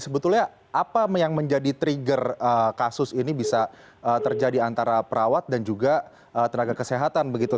sebetulnya apa yang menjadi trigger kasus ini bisa terjadi antara perawat dan juga tenaga kesehatan begitu